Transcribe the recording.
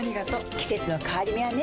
季節の変わり目はねうん。